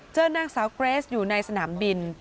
นางสาวเกรสอยู่ในสนามบิน